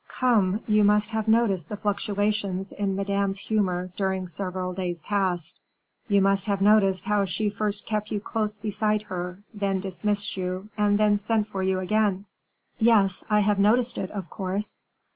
Come, you must have noticed the fluctuations in Madame's humor during several days past; you must have noticed how she first kept you close beside her, then dismissed you, and then sent for you again." "Yes, I have noticed it, of course."